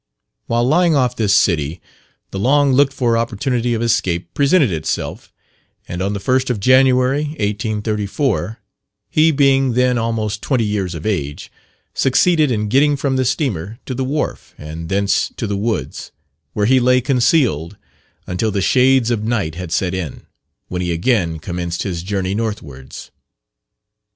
While lying off this city, the long looked for opportunity of escape presented itself; and on the 1st of January, 1834 he being then almost twenty years of age succeeded in getting from the steamer to the wharf, and thence to the woods, where he lay concealed until the shades of night had set in, when he again commenced his journey northwards.